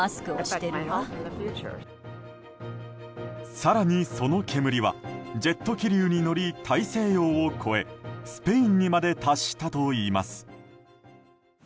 更に、その煙はジェット気流に乗り大西洋を越えスペインにまで達したといいます。